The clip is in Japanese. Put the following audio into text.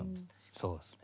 そうですね。